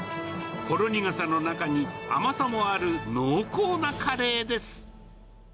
ほろ苦さの中に甘さもある濃厚なカレーです。